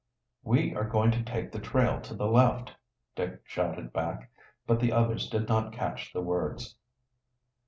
"We are going to take the trail to the left!" Dick shouted back, but the others did not catch the words.